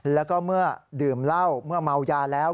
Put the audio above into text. แล้วก็เมื่อดื่มเหล้าเมื่อเมายาแล้ว